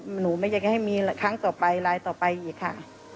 หนูไม่อยากให้มีครั้งต่อไปรายต่อไปอีกค่ะ